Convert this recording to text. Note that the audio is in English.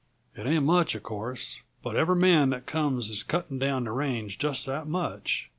It ain't much, uh course, but every man that comes is cutting down the range just that much.